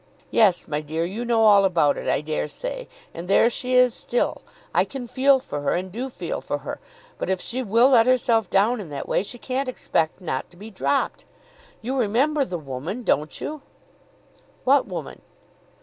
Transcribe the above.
Yes, my dear, you know all about it, I dare say. And there she is still. I can feel for her, and do feel for her. But if she will let herself down in that way she can't expect not to be dropped. You remember the woman; don't you?" "What woman?"